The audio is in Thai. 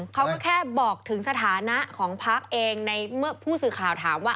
เขาก็แค่บอกถึงสถานะของพักเองในเมื่อผู้สื่อข่าวถามว่า